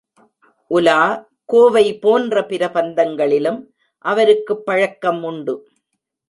உலா, கோவை போன்ற பிரபந்தங்களிலும் அவருக்குப் பழக்கம் உண்டு.